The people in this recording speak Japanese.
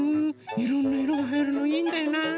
いろんないろがはいるのいいんだよな。